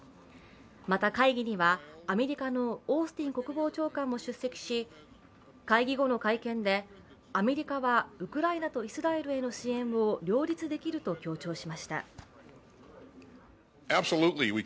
また会議にはアメリカのオースティン国防長官も出席し会議後の会見でアメリカはウクライナとイスラエルへの支援を両立できると強調しました。